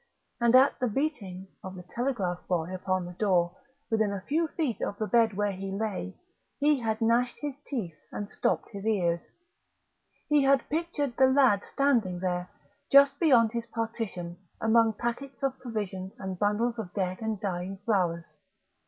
And at the beating of the telegraph boy upon the door, within a few feet of the bed where he lay, he had gnashed his teeth and stopped his ears. He had pictured the lad standing there, just beyond his partition, among packets of provisions and bundles of dead and dying flowers.